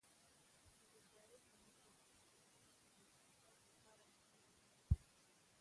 د بیکارۍ کمول د اقتصادي پرمختګ لپاره مهم ګام دی.